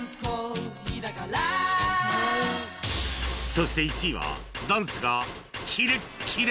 そして１位はダンスがキレッキレの